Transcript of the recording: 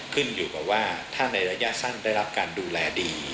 ขึ้นอยู่กับว่าถ้าในระยะสั้นได้รับการดูแลดี